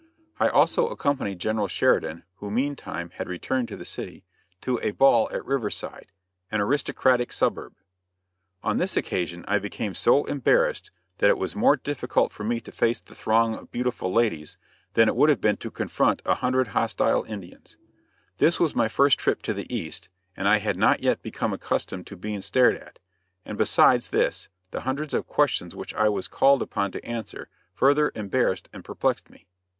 I also accompanied General Sheridan who meantime had returned to the city to a ball at Riverside an aristocratic suburb. [Illustration: AN EMBARRASSING SITUATION] On this occasion I became so embarrassed that it was more difficult for me to face the throng of beautiful ladies, than it would have been to confront a hundred hostile Indians. This was my first trip to the East, and I had not yet become accustomed to being stared at. And besides this, the hundreds of questions which I was called upon to answer further embarrassed and perplexed me.